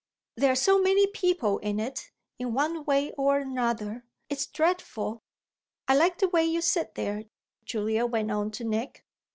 There are so many people in it, in one way or another it's dreadful. I like the way you sit there," Julia went on to Nick.